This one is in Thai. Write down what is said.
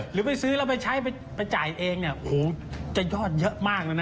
หรือไปซื้อแล้วไปใช้ไปจ่ายเองเนี่ยโอ้โหจะยอดเยอะมากเลยนะ